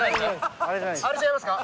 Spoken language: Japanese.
あれ違いますか？